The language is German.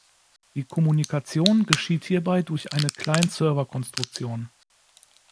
Die Kommunikation geschieht hierbei durch eine Client-Server-Konstruktion.